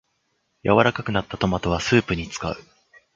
柔らかくなったトマトはスープに使う